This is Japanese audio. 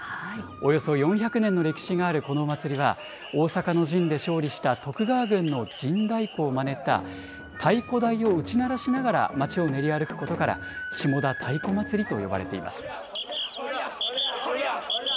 およそ４００年の歴史があるこのお祭りは、大坂の陣で勝利した徳川軍の陣太鼓をまねた太鼓台を打ち鳴らしながら、町を練り歩くことから、下田太鼓祭りと呼ばれています。